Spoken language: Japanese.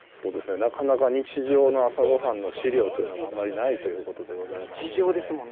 なかなか日常の朝ごはんの資料というのがあまり日常ですもんね。